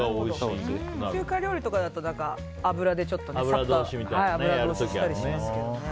中華料理とかだと油でさっと油通ししたりしますけどね。